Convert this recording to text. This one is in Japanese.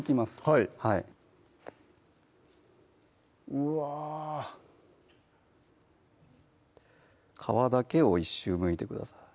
はいうわ皮だけを１周むいてください